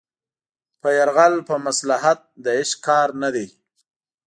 په يرغ په مصلحت د عشق کار نه دی